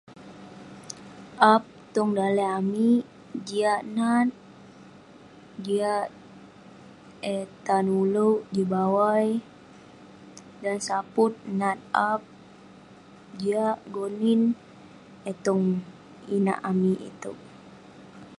Aap tong daleh amik, jiak nat. Jiak eh tan ulouk, jin bawai. Dan saput, nat aap, jiak, gonin. Eh tong inak amik itouk.